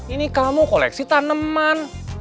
ini kamu koleksi taneman